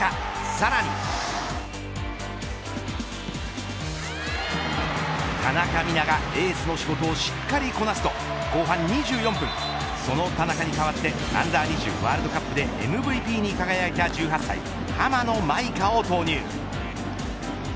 さらに田中美南がエースの仕事をしっかりこなすと後半２４分その田中に代わってアンダー２０ワールドカップでＭＶＰに輝いた１８歳浜野まいかを投入。